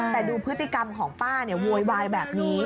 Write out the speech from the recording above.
แต่ดูพฤติกรรมของป้าเนี่ยโวยวายแบบนี้